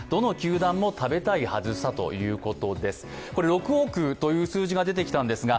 ６億という数字が出てきたんですが、